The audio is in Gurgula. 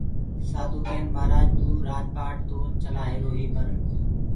سآڌوٚ ڪين مهآرآج تو رآج پآٽ تو چلآهيروئي پر